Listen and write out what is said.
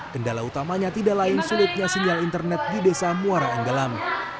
kendala utamanya tidak lain sulitnya sinyal internet di desa muara anggelam